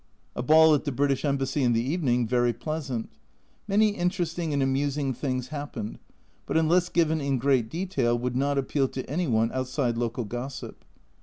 A ball at the British Embassy in the evening, very pleasant. Many interesting and amusing things happened, but unless given in great detail would not appeal to any one outside local gossip.